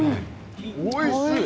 おいしい。